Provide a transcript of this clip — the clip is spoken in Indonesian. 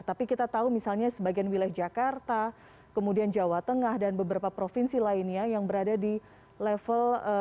tapi kita tahu misalnya sebagian wilayah jakarta kemudian jawa tengah dan beberapa provinsi lainnya yang berada di level